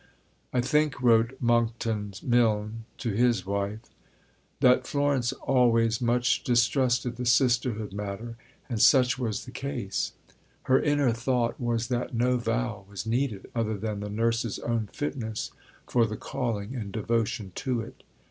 "I think," wrote Monckton Milnes to his wife, "that Florence always much distrusted the Sisterhood matter," and such was the case. Her inner thought was that no vow was needed other than the nurse's own fitness for the calling and devotion to it.